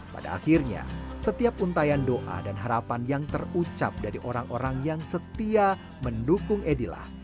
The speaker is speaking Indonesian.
pada akhirnya setiap untayan doa dan harapan yang terucap dari orang orang yang setia mendukung edilah